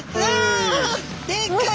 でかい！